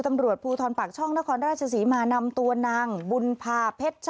ตำรวจภูทรปากช่องนครราชศรีมานำตัวนางบุญพาเพชร